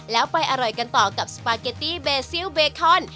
แล้วไปอร่อยกันต่อกับสปาเกตตี้เบซิลเบคอน